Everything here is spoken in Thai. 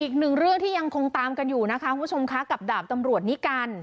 อีกหนึ่งเรื่องที่ยังคงตามกันอยู่นะคะคุณผู้ชมคะกับดาบตำรวจนิกัล